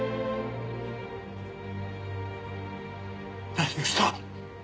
何をした？